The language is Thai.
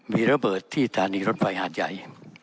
มีระเบิดที่สถานีรถไฟหาดใหญ่